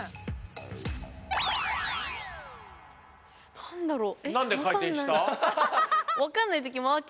何だろう。